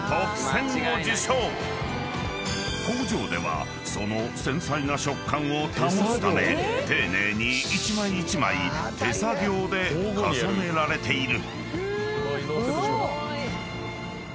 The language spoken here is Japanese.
［工場ではその繊細な食感を保つため丁寧に一枚一枚手作業で重ねられている］